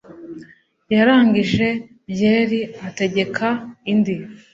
Yarangije byeri ategeka indi.